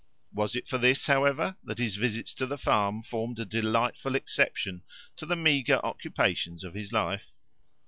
Was it for this, however, that his visits to the farm formed a delightful exception to the meagre occupations of his life?